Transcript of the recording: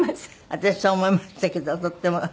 私そう思いましたけどとっても。